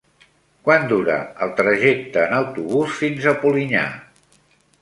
Quant dura el trajecte en autobús fins a Polinyà?